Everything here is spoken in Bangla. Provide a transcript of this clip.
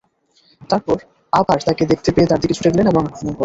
তারপর আবার তাকে দেখতে পেয়ে তার দিকে ছুটে গেলেন এবং আক্রমণ করলেন।